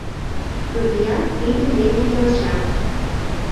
Судьят тидын дене келша.